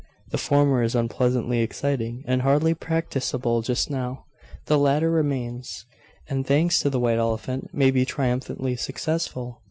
The former is unpleasantly exciting, and hardly practicable just now. The latter remains, and, thanks to the white elephant, may be triumphantly successful.